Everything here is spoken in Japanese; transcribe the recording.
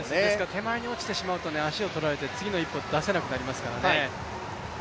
手前に落ちてしまうと、足をとられて次の一歩出せなくなりますからね。